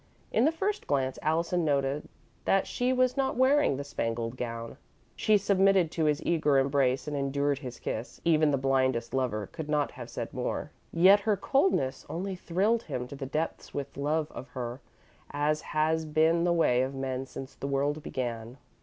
In the first glance Allison noted that she was not wearing the spangled gown. She submitted to his eager embrace and endured his kiss; even the blindest lover could not have said more. Yet her coldness only thrilled him to the depths with love of her, as has been the way of men since the world began.